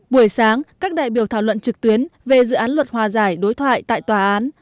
buổi sáng các đại biểu thảo luận trực tuyến về dự án luật hòa giải đối thoại tại tòa án